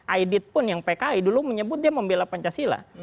aidit pun yang pki dulu menyebut dia membela pancasila